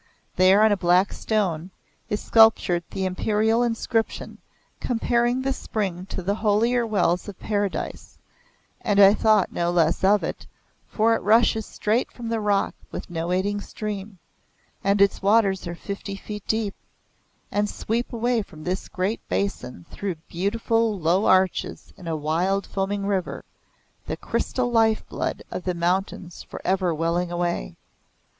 There on a black stone, is sculptured the Imperial inscription comparing this spring to the holier wells of Paradise, and I thought no less of it, for it rushes straight from the rock with no aiding stream, and its waters are fifty feet deep, and sweep away from this great basin through beautiful low arches in a wild foaming river the crystal life blood of the mountains for ever welling away.